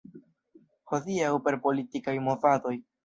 Hodiaŭ per politikaj movadoj.